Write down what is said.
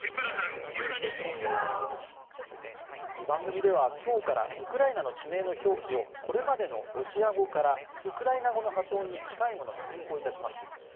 番組では今日からウクライナの地名の表記をこれまでのロシア語からウクライナ語の発音に近いものに変更いたします。